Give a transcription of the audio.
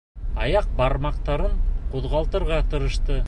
Аяҡ бармаҡтарын ҡуҙғалтырға тырышты.